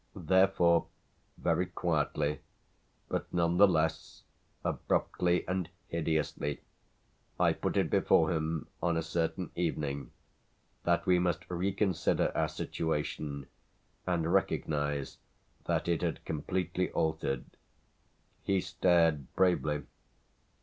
Therefore very quietly, but none the less abruptly and hideously, I put it before him on a certain evening that we must reconsider our situation and recognise that it had completely altered. He stared bravely.